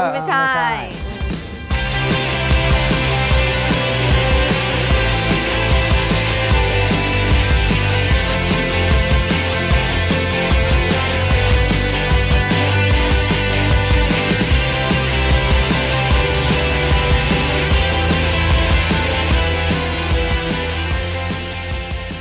ไม่มีความคิดทุน